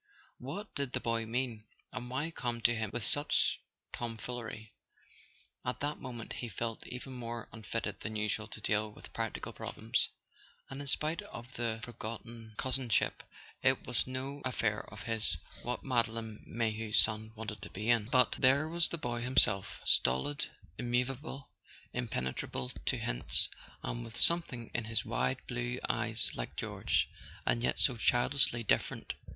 What did the boy mean, and why come to him with such tomfoolery? At that mo¬ ment he felt even more unfitted than usual to deal with practical problems, and in spite of the forgotten [ 105 ] A SON AT THE FRONT cousinship it was no affair of his what Madeline May hew's son wanted to be in. But there was the boy himself, stolid, immovable, impenetrable to hints, and with something in his wide blue eyes like George—and yet so childishly different.